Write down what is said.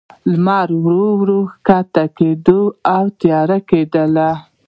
لمر ورو، ورو کښته کېده، او تیاره کېده.